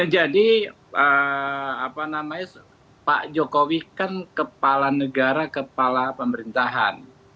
jadi pak jokowi kan kepala negara kepala pemerintahan